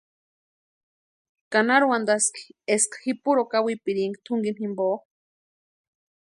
¿Ka nari wantaski eska ji puro kawipirinka tʼunkini jimpo?